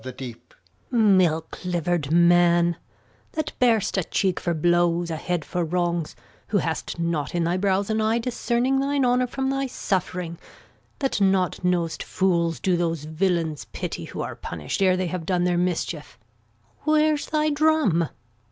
That bear'st a cheek for blows, a head for wrongs; Who hast not in thy brows an eye discerning Thine honour from thy suffering; that not know'st Fools do those villains pity who are punish'd Ere they have done their mischief. Where's thy drum?